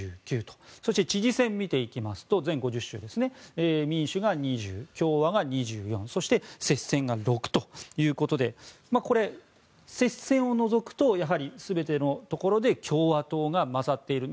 そして知事選を見ていきますと全５０州ですが民主が２０、共和が２４そして接戦が６ということで接戦を除くと全てのところで共和党が優っている。